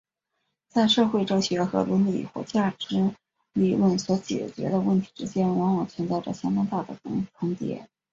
在社会哲学和伦理或价值理论所解决的问题之间往往存在着相当大的重叠。